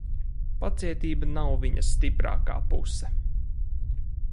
Pacietība nav viņas stiprākā puse.